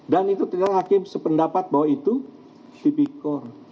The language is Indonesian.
dan itu terlihat hakim sependapat bahwa itu tipikor